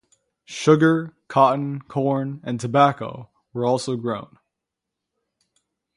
Sugar, cotton, corn, and tobacco were also grown.